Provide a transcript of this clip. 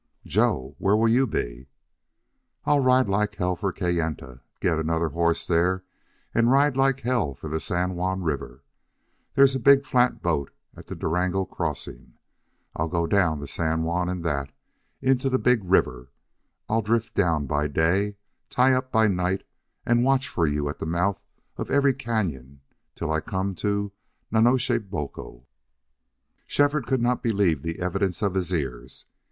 "Joe! Where will you be?" "I'll ride like hell for Kayenta, get another horse there, and ride like hell for the San Juan River. There's a big flatboat at the Durango crossing. I'll go down the San Juan in that into the big river. I'll drift down by day, tie up by night, and watch for you at the mouth of every cañon till I come to Nonnezoshe Boco." Shefford could not believe the evidence of his ears.